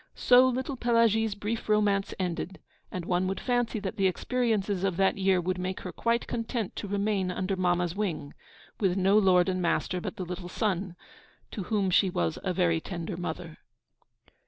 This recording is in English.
So little Pelagie's brief romance ended; and one would fancy that the experiences of that year would make her quite content to remain under mamma's wing, with no lord and master but the little son, to whom she was a very tender mother.